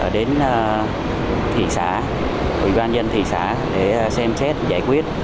đến thị xã ủy ban dân thị xã để xem xét giải quyết